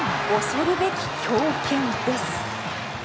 恐るべき強肩です。